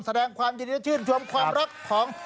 แสดงความเย็นแช่ชื่นทรวมความรักของ